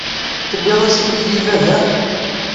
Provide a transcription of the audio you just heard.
Tewwiḍ-as imekli i baba-m?